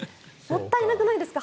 もったいなくないですか？